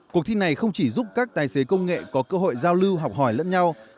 cuộc thi này không chỉ giúp các tài xế công nghệ có cơ hội giao lưu học hỏi lẫn nhau